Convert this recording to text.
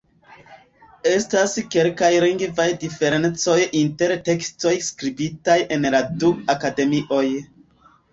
Estas kelkaj lingvaj diferencoj inter tekstoj skribitaj en la du akademioj.